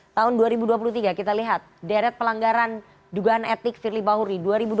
tahun dua ribu dua puluh tiga kita lihat deret pelanggaran dugaan etik firly bahuri